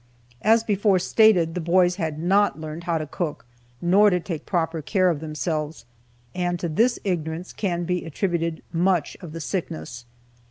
As before stated, the boys had not learned how to cook, nor to take proper care of themselves, and to this ignorance can be attributed much of the sickness.